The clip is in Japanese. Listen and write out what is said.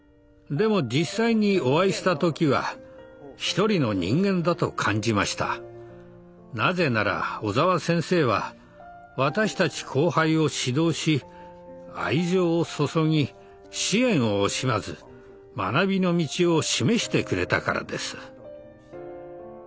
あの時なぜなら小澤先生は私たち後輩を指導し愛情を注ぎ支援を惜しまず学びの道を示してくれたからです。